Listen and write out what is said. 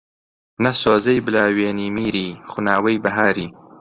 نە سۆزەی بلاوێنی میری، خوناوەی بەهاری